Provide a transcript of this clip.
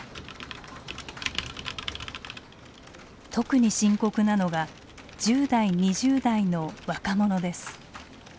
特に深刻なのが１０代２０代の若者です。